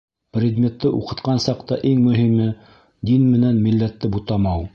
Предметты уҡытҡан саҡта иң мөһиме — дин менән милләтте бутамау.